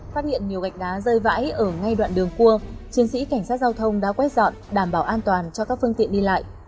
phát hiện nhiều gạch đá rơi vãi ở ngay đoạn đường cua chiến sĩ cảnh sát giao thông đã quét dọn đảm bảo an toàn cho các phương tiện đi lại